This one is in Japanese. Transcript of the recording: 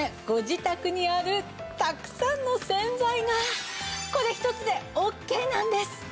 ご自宅にあるたくさんの洗剤がこれ１つでオッケーなんです！